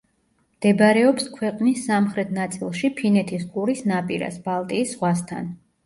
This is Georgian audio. მდებარეობს ქვეყნის სამხრეთ ნაწილში ფინეთის ყურის ნაპირას, ბალტიის ზღვასთან.